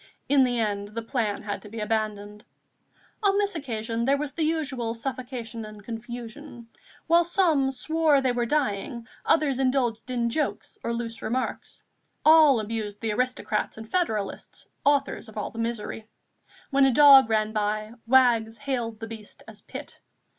In the end the plan had to be abandoned. On this occasion there was the usual suffocation and confusion. While some swore they were dying, others indulged in jokes or loose remarks; all abused the aristocrats and federalists, authors of all the misery. When a dog ran by, wags hailed the beast as Pitt.